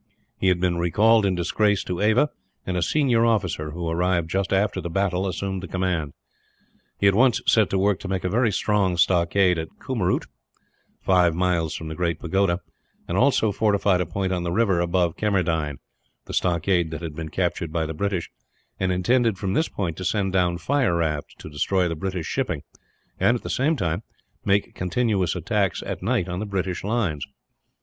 He had been recalled in disgrace to Ava; and a senior officer, who arrived just after the battle, assumed the command. He at once set to work to make a very strong stockade at Kummeroot, five miles from the great pagoda; and also fortified a point on the river above Kemmendine the stockade that had been captured by the British and intended from this point to send down fire rafts to destroy the British shipping and, at the same time, made continuous attacks at night on the British lines.